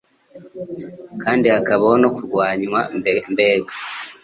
kandi hakabaho no kurwanywa, mbega